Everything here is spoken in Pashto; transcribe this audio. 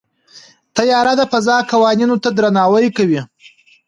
طیاره د فضا قوانینو ته درناوی کوي.